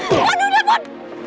luan udah luan